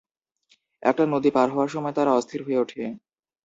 একটা নদী পার হওয়ার সময় তারা অস্থির হয়ে ওঠে।